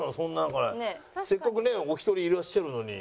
せっかくねお一人いらっしゃるのに。